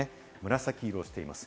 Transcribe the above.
紫色をしています。